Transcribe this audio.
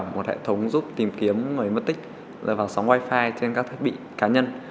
một hệ thống giúp tìm kiếm người mất tích vàn sóng wifi trên các thiết bị cá nhân